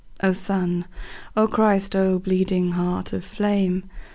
O Sun, O Christ, O bleeding Heart of flame!